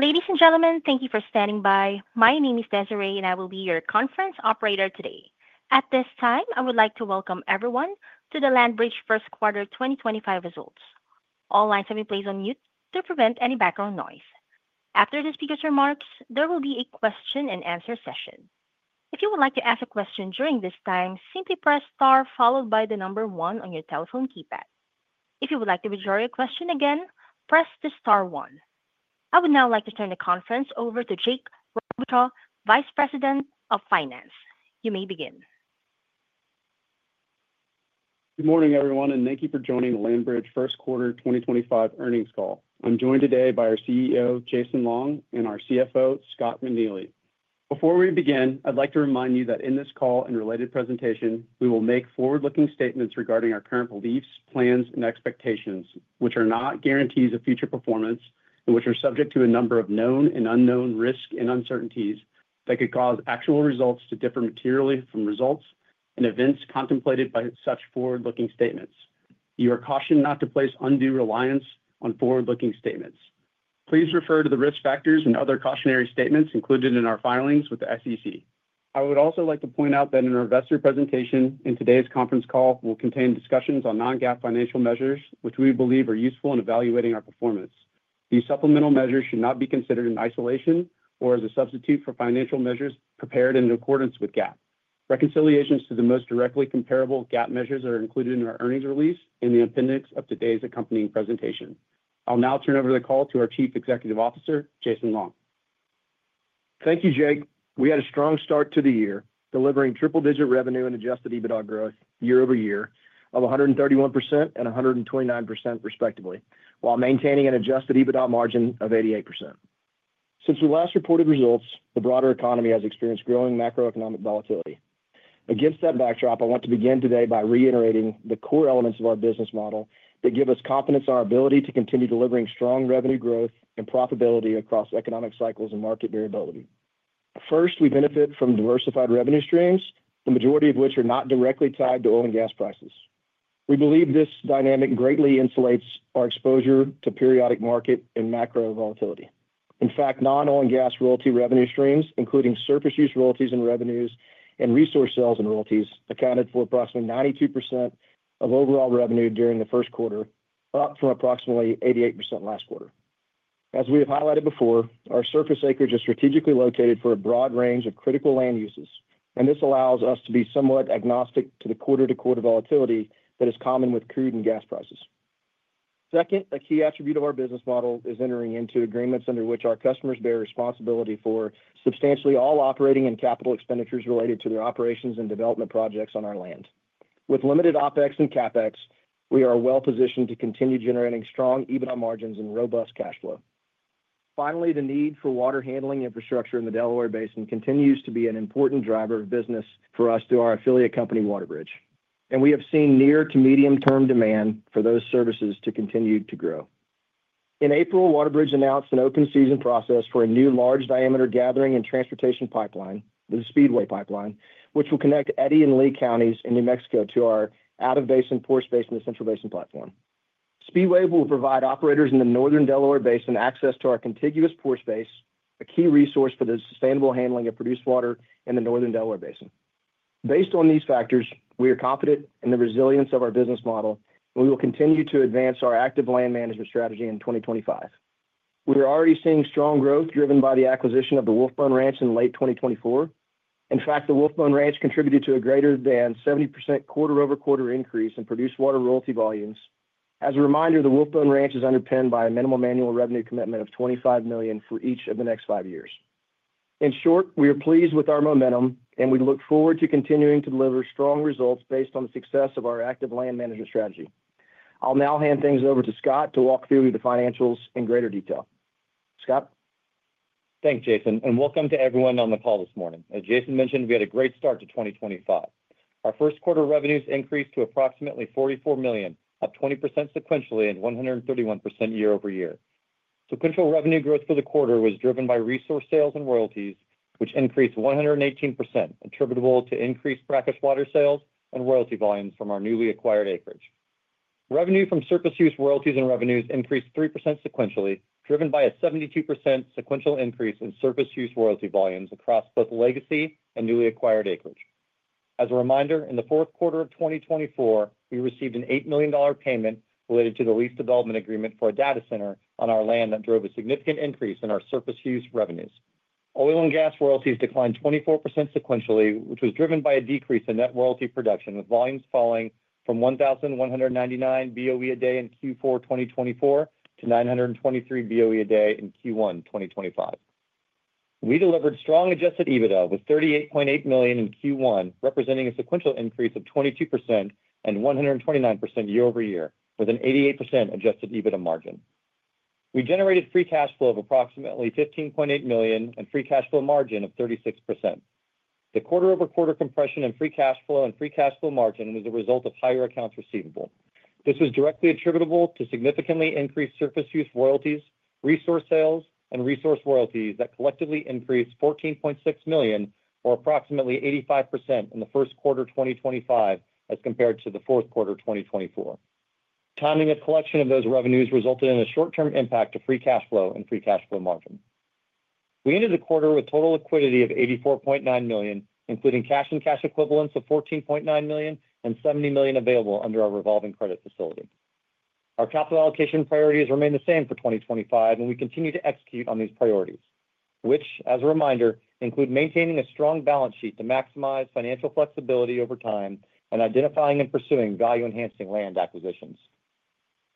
Ladies and gentlemen, thank you for standing by. My name is Desiree, and I will be your conference operator today. At this time, I would like to welcome everyone to the LandBridge first quarter 2025 results. All lines have been placed on mute to prevent any background noise. After the speaker's remarks, there will be a question-and-answer session. If you would like to ask a question during this time, simply press star followed by the number one on your telephone keypad. If you would like to withdraw your question again, press the star one. I would now like to turn the conference over to Jake Robichaux, Vice President of Finance. You may begin. Good morning, everyone, and thank you for joining the LandBridge first quarter 2025 earnings call. I'm joined today by our CEO, Jason Long, and our CFO, Scott McNeely. Before we begin, I'd like to remind you that in this call and related presentation, we will make forward-looking statements regarding our current beliefs, plans, and expectations, which are not guarantees of future performance and which are subject to a number of known and unknown risks and uncertainties that could cause actual results to differ materially from results and events contemplated by such forward-looking statements. You are cautioned not to place undue reliance on forward-looking statements. Please refer to the risk factors and other cautionary statements included in our filings with the SEC. I would also like to point out that in our investor presentation and today's conference call, we will contain discussions on non-GAAP financial measures, which we believe are useful in evaluating our performance. These supplemental measures should not be considered in isolation or as a substitute for financial measures prepared in accordance with GAAP. Reconciliations to the most directly comparable GAAP measures are included in our earnings release and the appendix of today's accompanying presentation. I'll now turn over the call to our Chief Executive Officer, Jason Long. Thank you, Jake. We had a strong start to the year, delivering triple-digit revenue and adjusted EBITDA growth year-over-year of 131% and 129%, respectively, while maintaining an adjusted EBITDA margin of 88%. Since we last reported results, the broader economy has experienced growing macroeconomic volatility. Against that backdrop, I want to begin today by reiterating the core elements of our business model that give us confidence in our ability to continue delivering strong revenue growth and profitability across economic cycles and market variability. First, we benefit from diversified revenue streams, the majority of which are not directly tied to oil and gas prices. We believe this dynamic greatly insulates our exposure to periodic market and macro volatility. In fact, non-oil and gas royalty revenue streams, including surface use royalties and revenues and resource sales and royalties, accounted for approximately 92% of overall revenue during the first quarter, up from approximately 88% last quarter. As we have highlighted before, our surface acreage is strategically located for a broad range of critical land uses, and this allows us to be somewhat agnostic to the quarter-to-quarter volatility that is common with crude and gas prices. Second, a key attribute of our business model is entering into agreements under which our customers bear responsibility for substantially all operating and capital expenditures related to their operations and development projects on our land. With limited OpEx and CapEx, we are well-positioned to continue generating strong EBITDA margins and robust cash flow. Finally, the need for water handling infrastructure in the Delaware Basin continues to be an important driver of business for us through our affiliate company, WaterBridge, and we have seen near- to medium-term demand for those services continue to grow. In April, WaterBridge announced an open season process for a new large-diameter gathering and transportation pipeline, the Speedway pipeline, which will connect Eddy and Lea counties in New Mexico to our out-of-basin pore space in the Central Basin Platform. Speedway will provide operators in the northern Delaware Basin access to our contiguous pore space, a key resource for the sustainable handling of produced water in the northern Delaware Basin. Based on these factors, we are confident in the resilience of our business model, and we will continue to advance our active land management strategy in 2025. We are already seeing strong growth driven by the acquisition of the Wolfbone Ranch in late 2024. In fact, the Wolfbone Ranch contributed to a greater than 70% quarter-over-quarter increase in produced water royalty volumes. As a reminder, the Wolfbone Ranch is underpinned by a minimum annual revenue commitment of $25 million for each of the next five years. In short, we are pleased with our momentum, and we look forward to continuing to deliver strong results based on the success of our active land management strategy. I'll now hand things over to Scott to walk through the financials in greater detail. Scott? Thanks, Jason, and welcome to everyone on the call this morning. As Jason mentioned, we had a great start to 2025. Our first quarter revenues increased to approximately $44 million, up 20% sequentially and 131% year-over-year. Sequential revenue growth for the quarter was driven by resource sales and royalties, which increased 118%, attributable to increased brackish water sales and royalty volumes from our newly acquired acreage. Revenue from surface use royalties and revenues increased 3% sequentially, driven by a 72% sequential increase in surface use royalty volumes across both legacy and newly acquired acreage. As a reminder, in the fourth quarter of 2024, we received an $8 million payment related to the lease development agreement for a data center on our land that drove a significant increase in our surface use revenues. Oil and gas royalties declined 24% sequentially, which was driven by a decrease in net royalty production, with volumes falling from 1,199 BOE a day in Q4 2024 to 923 BOE a day in Q1 2025. We delivered strong adjusted EBITDA with $38.8 million in Q1, representing a sequential increase of 22% and 129% year-over-year, with an 88% adjusted EBITDA margin. We generated free cash flow of approximately $15.8 million and free cash flow margin of 36%. The quarter-over-quarter compression in free cash flow and free cash flow margin was a result of higher accounts receivable. This was directly attributable to significantly increased surface use royalties, resource sales, and resource royalties that collectively increased $14.6 million, or approximately 85%, in the first quarter 2025 as compared to the fourth quarter 2024. Timing of collection of those revenues resulted in a short-term impact to free cash flow and free cash flow margin. We ended the quarter with total liquidity of $84.9 million, including cash and cash equivalents of $14.9 million and $70 million available under our revolving credit facility. Our capital allocation priorities remain the same for 2025, and we continue to execute on these priorities, which, as a reminder, include maintaining a strong balance sheet to maximize financial flexibility over time and identifying and pursuing value-enhancing land acquisitions.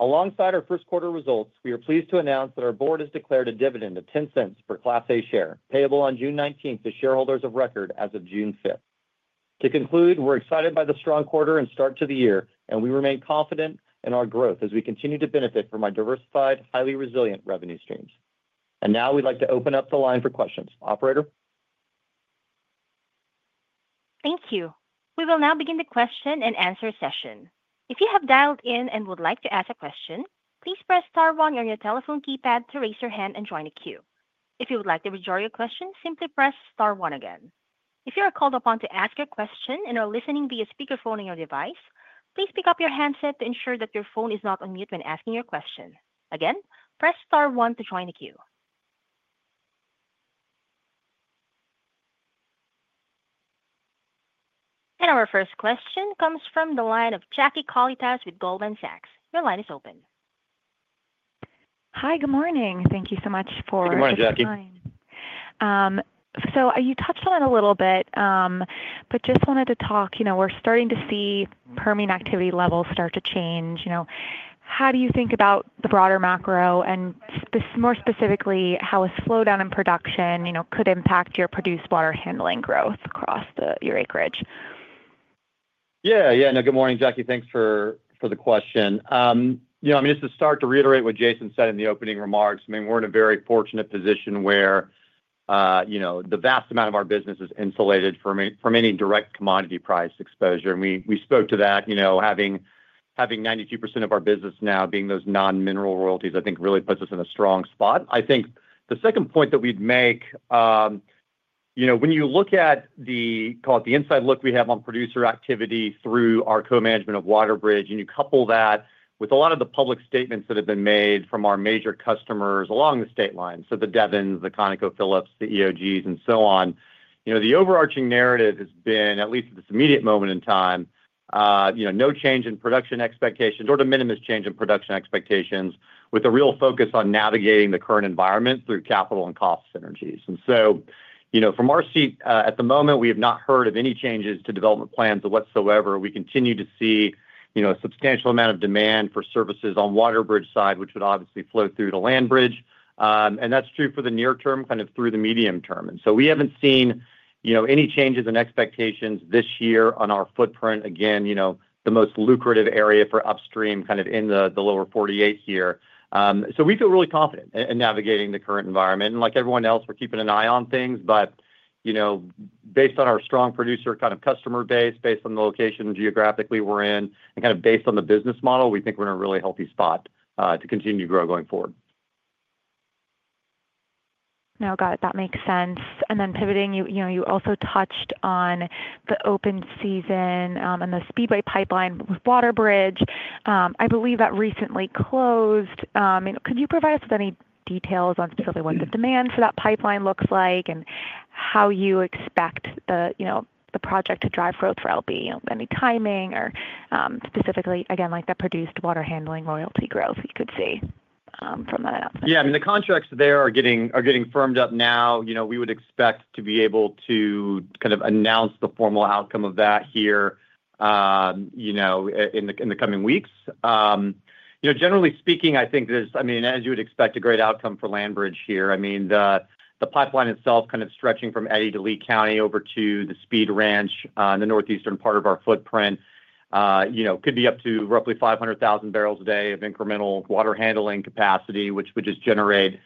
Alongside our first quarter results, we are pleased to announce that our board has declared a dividend of $0.10 per Class A share, payable on June 19th to shareholders of record as of June 5th. To conclude, we're excited by the strong quarter and start to the year, and we remain confident in our growth as we continue to benefit from our diversified, highly resilient revenue streams. Now we'd like to open up the line for questions. Operator? Thank you. We will now begin the question and answer session. If you have dialed in and would like to ask a question, please press star one on your telephone keypad to raise your hand and join the queue. If you would like to withdraw your question, simply press star one again. If you are called upon to ask your question and are listening via speakerphone on your device, please pick up your handset to ensure that your phone is not on mute when asking your question. Again, press star one to join the queue. Our first question comes from the line of Jackie Colitas with Goldman Sachs. Your line is open. Hi, good morning. Thank you so much for taking the time. Good morning, Jackie. You touched on it a little bit, but just wanted to talk, you know, we're starting to see Permian activity levels start to change. You know, how do you think about the broader macro and more specifically how a slowdown in production, you know, could impact your produced water handling growth across your acreage? Yeah, yeah. No, good morning, Jackie. Thanks for the question. You know, I mean, just to start, to reiterate what Jason said in the opening remarks, I mean, we're in a very fortunate position where, you know, the vast amount of our business is insulated from any direct commodity price exposure. We spoke to that, you know, having 92% of our business now being those non-mineral royalties, I think really puts us in a strong spot. I think the second point that we'd make, you know, when you look at the, call it the inside look we have on producer activity through our co-management of WaterBridge, and you couple that with a lot of the public statements that have been made from our major customers along the state line, so the Devins, the ConocoPhillips, the EOGs, and so on, you know, the overarching narrative has been, at least at this immediate moment in time, you know, no change in production expectations or de minimis change in production expectations, with a real focus on navigating the current environment through capital and cost synergies. You know, from our seat at the moment, we have not heard of any changes to development plans whatsoever. We continue to see, you know, a substantial amount of demand for services on WaterBridge side, which would obviously flow through to LandBridge. That is true for the near term, kind of through the medium term. We have not seen, you know, any changes in expectations this year on our footprint. Again, you know, the most lucrative area for upstream kind of in the lower 48 here. We feel really confident in navigating the current environment. Like everyone else, we are keeping an eye on things. You know, based on our strong producer kind of customer base, based on the location geographically we are in, and kind of based on the business model, we think we are in a really healthy spot to continue to grow going forward. No, got it. That makes sense. Then pivoting, you know, you also touched on the open season and the Speedway pipeline with WaterBridge. I believe that recently closed. Could you provide us with any details on specifically what the demand for that pipeline looks like and how you expect the, you know, the project to drive growth for LandBridge? Any timing or specifically, again, like the produced water handling royalty growth you could see from that announcement? Yeah, I mean, the contracts there are getting firmed up now. You know, we would expect to be able to kind of announce the formal outcome of that here, you know, in the coming weeks. You know, generally speaking, I think there's, I mean, as you would expect, a great outcome for LandBridge here. I mean, the pipeline itself kind of stretching from Eddy to Lea County over to the Speed Ranch in the northeastern part of our footprint, you know, could be up to roughly 500,000 barrels a day of incremental water handling capacity, which would just generate,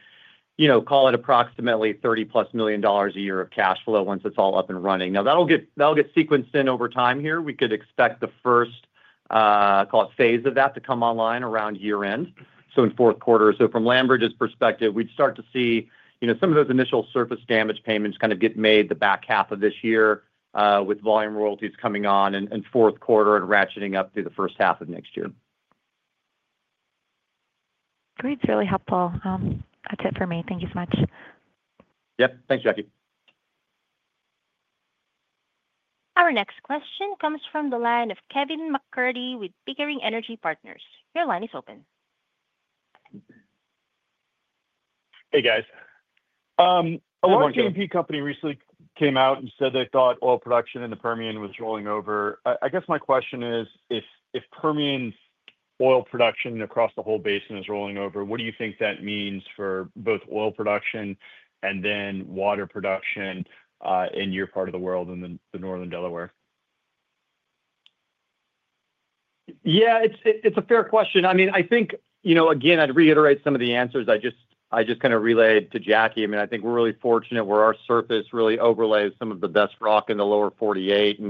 you know, call it approximately $30+ million a year of cash flow once it's all up and running. Now, that'll get sequenced in over time here. We could expect the first, call it phase of that to come online around year-end, so in fourth quarter. From LandBridge's perspective, we'd start to see, you know, some of those initial surface damage payments kind of get made the back half of this year with volume royalties coming on in fourth quarter and ratcheting up through the first half of next year. Great. It's really helpful. That's it for me. Thank you so much. Yep. Thanks, Jackie. Our next question comes from the line of Kevin McCurdy with Pickering Energy Partners. Your line is open. Hey, guys. Hello, McCurdy. Our C&P company recently came out and said they thought oil production in the Permian was rolling over. I guess my question is, if Permian oil production across the whole basin is rolling over, what do you think that means for both oil production and then water production in your part of the world and the northern Delaware? Yeah, it's a fair question. I mean, I think, you know, again, I'd reiterate some of the answers I just kind of relayed to Jackie. I mean, I think we're really fortunate where our surface really overlays some of the best rock in the lower 48.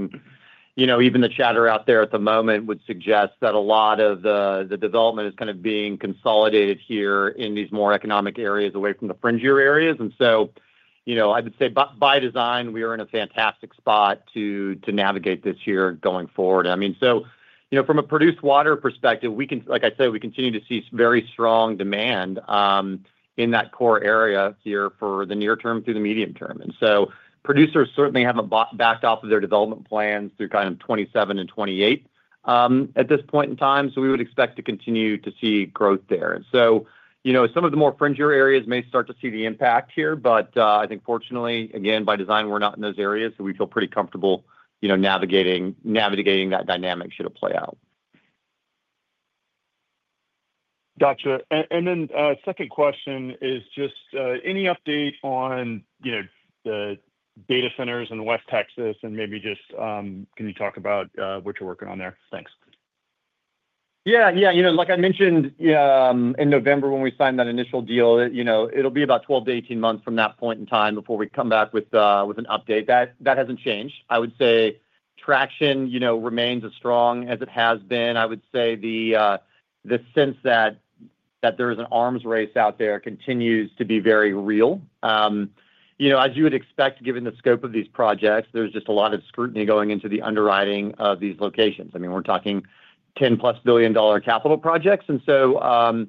You know, even the chatter out there at the moment would suggest that a lot of the development is kind of being consolidated here in these more economic areas away from the fringier areas. You know, I would say by design, we are in a fantastic spot to navigate this year going forward. I mean, you know, from a produced water perspective, we can, like I say, we continue to see very strong demand in that core area here for the near term through the medium term. Producers certainly have not backed off of their development plans through 2027 and 2028 at this point in time. We would expect to continue to see growth there. You know, some of the more fringier areas may start to see the impact here, but I think fortunately, again, by design, we are not in those areas. We feel pretty comfortable, you know, navigating that dynamic should it play out. Gotcha. And then second question is just any update on, you know, the data centers in West Texas and maybe just can you talk about what you're working on there? Thanks. Yeah, yeah. You know, like I mentioned in November when we signed that initial deal, you know, it'll be about 12-18 months from that point in time before we come back with an update. That hasn't changed. I would say traction, you know, remains as strong as it has been. I would say the sense that there is an arms race out there continues to be very real. You know, as you would expect, given the scope of these projects, there's just a lot of scrutiny going into the underwriting of these locations. I mean, we're talking $10 billion plus capital projects. And so,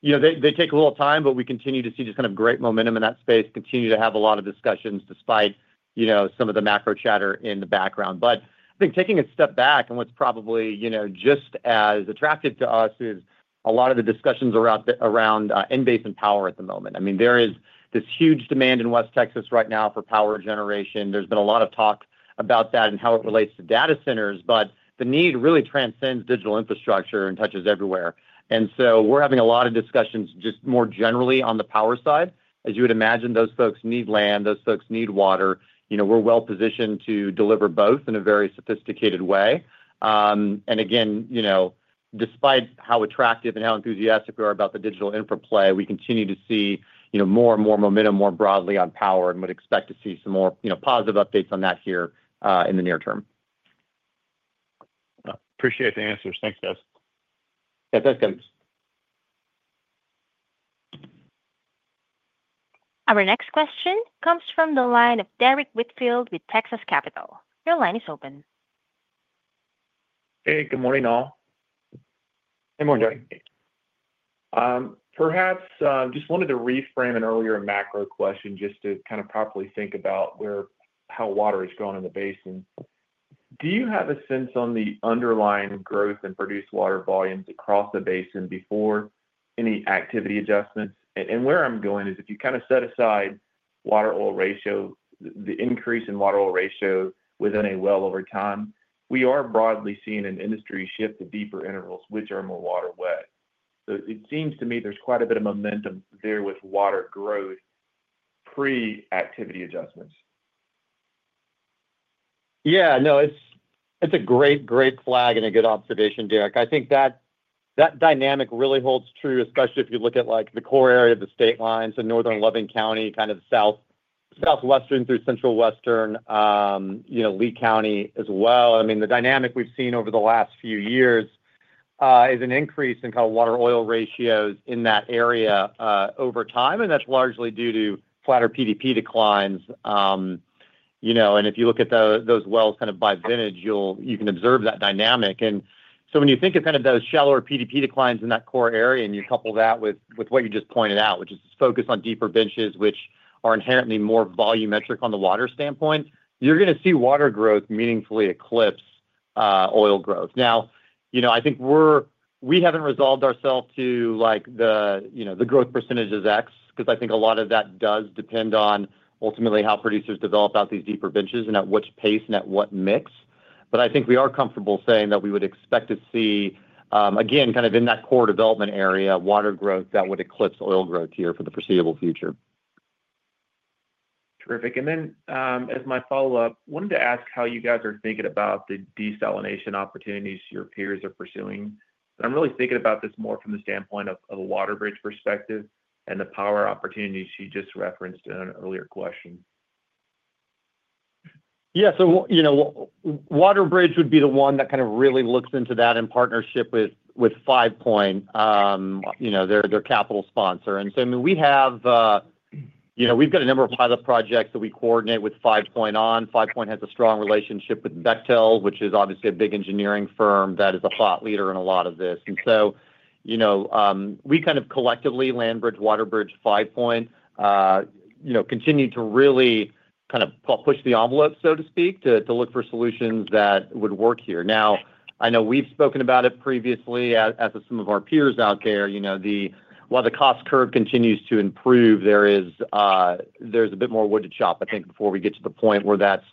you know, they take a little time, but we continue to see just kind of great momentum in that space, continue to have a lot of discussions despite, you know, some of the macro chatter in the background. I think taking a step back and what's probably, you know, just as attractive to us is a lot of the discussions around end basin power at the moment. I mean, there is this huge demand in West Texas right now for power generation. There's been a lot of talk about that and how it relates to data centers, but the need really transcends digital infrastructure and touches everywhere. We're having a lot of discussions just more generally on the power side. As you would imagine, those folks need land. Those folks need water. You know, we're well positioned to deliver both in a very sophisticated way. You know, despite how attractive and how enthusiastic we are about the digital infra play, we continue to see, you know, more and more momentum more broadly on power and would expect to see some more, you know, positive updates on that here in the near term. Appreciate the answers. Thanks, guys. Yeah, thanks. Our next question comes from the line of Derrick Whitfield with Texas Capital. Your line is open. Hey, good morning, all. Good morning, Derrick. Perhaps just wanted to reframe an earlier macro question just to kind of properly think about where how water is growing in the basin. Do you have a sense on the underlying growth in produced water volumes across the basin before any activity adjustments? And where I'm going is if you kind of set aside water-oil ratio, the increase in water-oil ratio within a well over time, we are broadly seeing an industry shift to deeper intervals, which are more water-wet. It seems to me there's quite a bit of momentum there with water growth pre-activity adjustments. Yeah, no, it's a great, great flag and a good observation, Derrick. I think that dynamic really holds true, especially if you look at like the core area of the state line, so northern Loving County, kind of southwestern through central western, you know, Lea County as well. I mean, the dynamic we've seen over the last few years is an increase in kind of water-oil ratios in that area over time. That's largely due to flatter PDP declines. You know, and if you look at those wells kind of by vintage, you can observe that dynamic. When you think of kind of those shallower PDP declines in that core area and you couple that with what you just pointed out, which is focus on deeper benches, which are inherently more volumetric on the water standpoint, you're going to see water growth meaningfully eclipse oil growth. Now, you know, I think we haven't resolved ourselves to like the, you know, the growth percentage is X, because I think a lot of that does depend on ultimately how producers develop out these deeper benches and at which pace and at what mix. I think we are comfortable saying that we would expect to see, again, kind of in that core development area, water growth that would eclipse oil growth here for the foreseeable future. Terrific. As my follow-up, wanted to ask how you guys are thinking about the desalination opportunities your peers are pursuing. I'm really thinking about this more from the standpoint of a WaterBridge perspective and the power opportunities you just referenced in an earlier question. Yeah, so, you know, WaterBridge would be the one that kind of really looks into that in partnership with Five Point, you know, their capital sponsor. I mean, we have, you know, we've got a number of pilot projects that we coordinate with Five Point on. Five Point has a strong relationship with Bechtel, which is obviously a big engineering firm that is a thought leader in a lot of this. You know, we kind of collectively, LandBridge, WaterBridge, Five Point, you know, continue to really kind of push the envelope, so to speak, to look for solutions that would work here. Now, I know we've spoken about it previously as some of our peers out there. You know, while the cost curve continues to improve, there is a bit more wood to chop, I think, before we get to the point where that's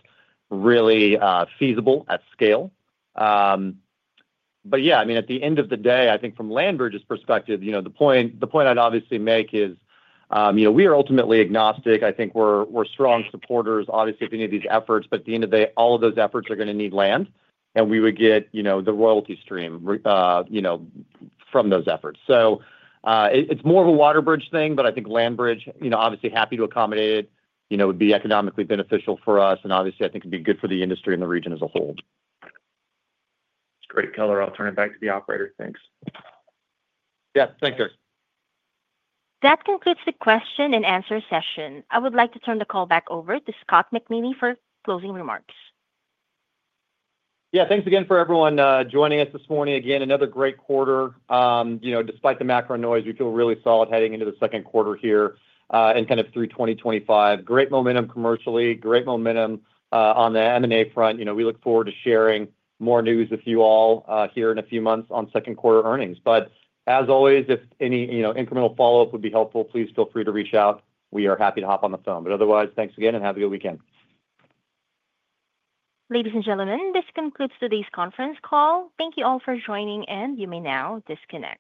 really feasible at scale. Yeah, I mean, at the end of the day, I think from LandBridge's perspective, you know, the point I'd obviously make is, you know, we are ultimately agnostic. I think we're strong supporters, obviously, of any of these efforts. At the end of the day, all of those efforts are going to need land. We would get, you know, the royalty stream, you know, from those efforts. It's more of a WaterBridge thing, but I think LandBridge, you know, obviously happy to accommodate it, you know, would be economically beneficial for us. Obviously, I think it'd be good for the industry and the region as a whole. That's great, Keller. I'll turn it back to the operator. Thanks. Yeah, thanks, Derrick. That concludes the question and answer session. I would like to turn the call back over to Scott McNeely for closing remarks. Yeah, thanks again for everyone joining us this morning. Again, another great quarter. You know, despite the macro noise, we feel really solid heading into the second quarter here and kind of through 2025. Great momentum commercially, great momentum on the M&A front. You know, we look forward to sharing more news with you all here in a few months on second quarter earnings. As always, if any, you know, incremental follow-up would be helpful, please feel free to reach out. We are happy to hop on the phone. Otherwise, thanks again and have a good weekend. Ladies and gentlemen, this concludes today's conference call. Thank you all for joining, and you may now disconnect.